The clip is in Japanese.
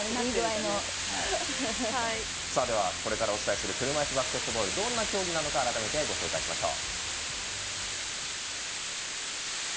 これからお伝えする車いすバスケットボールどんな競技なのか改めてご紹介しましょう。